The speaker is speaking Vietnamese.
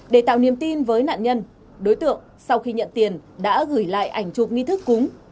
để tạo niềm tin với nạn nhân đối tượng sau khi nhận tiền đã gửi lại ảnh chụp nghi thức cúng